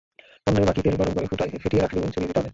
প্যানে বাকি তেল গরম করে ফেটিয়ে রাখা ডিমে ছড়িয়ে দিতে হবে।